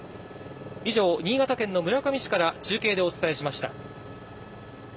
以上、新潟県の村上市から中継でお伝えしました。